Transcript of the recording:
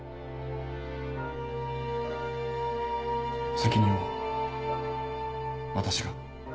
責任は私が。